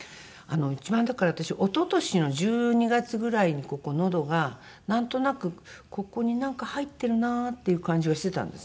一番だから私一昨年の１２月ぐらいにここのどがなんとなくここになんか入ってるなっていう感じがしてたんです。